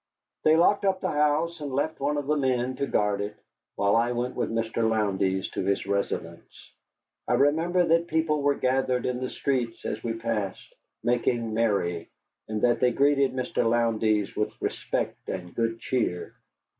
They locked up the house, and left one of the men to guard it, while I went with Mr. Lowndes to his residence. I remember that people were gathered in the streets as we passed, making merry, and that they greeted Mr. Lowndes with respect and good cheer.